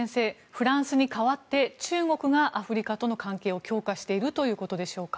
フランスに代わって中国がアフリカとの関係を強化しているということでしょうか。